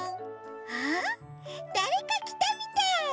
あっだれかきたみたい！